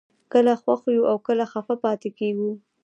کله خوښ یو او کله خفه پاتې کېږو